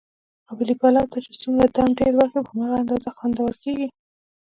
قابلي پلو ته چې څومره دم ډېر ور کړې، په هماغه اندازه خوندور کېږي.